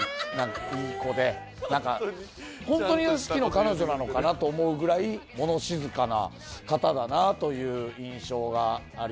なんか本当に屋敷の彼女なのかなと思うぐらい物静かな方だなという印象があります。